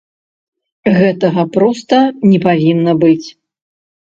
Гэтага проста не павінна быць.